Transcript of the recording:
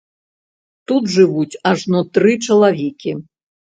Тут жывуць ажно тры чалавекі.